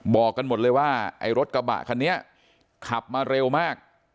บอกกันหมดเลยว่าไอ้รถกระบะคันนี้ขับมาเร็วมาก